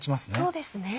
そうですね。